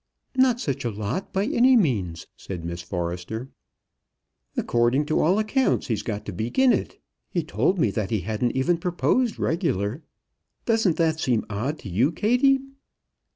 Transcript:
"Not such a lot by any means," said Miss Forrester. "According to all accounts he's got to begin it. He told me that he hadn't even proposed regular. Doesn't that seem odd to you, Kattie?"